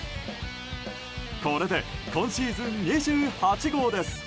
これで今シーズン２８号です。